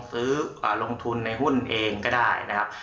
ซื้อลงทุนในหุ้นเองก็ได้นะครับ